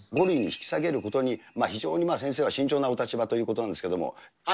５類に引き下げることに非常に先生は慎重なお立場ということなんですけれども。